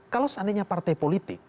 kalau seandainya partai politik